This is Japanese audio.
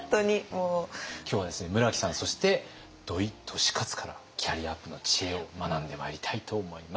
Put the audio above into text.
今日はですね村木さんそして土井利勝からキャリアアップの知恵を学んでまいりたいと思います。